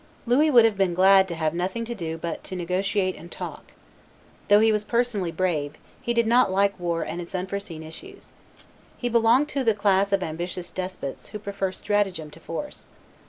Louis would have been glad to have nothing to do but to negotiate and talk. Though he was personally brave, he did not like war and its unforeseen issues. He belonged to the class of ambitious despots who prefer stratagem to force.